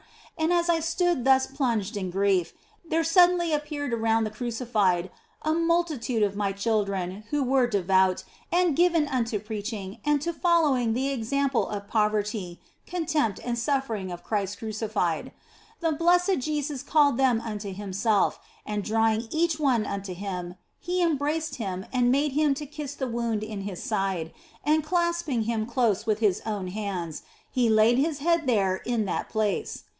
And as I stood thus plunged in grief, there suddenly appeared around the Crucified a multitude of my children who were devout and given unto preaching and to following the example of poverty, contempt, and suffering of Christ Crucified. The Blessed Jesus called them unto Himself, and drawing each one unto Him, He embraced him and made him to kiss the wound in His side, and clasping him close with His own hands, He laid his head there in that place.